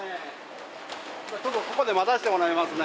ちょっとここで待たせてもらいますね。